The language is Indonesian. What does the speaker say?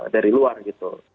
dari luar gitu